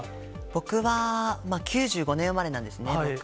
僕は９５年生まれなんですね、僕。